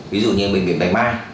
ví dụ như bệnh viện đài ma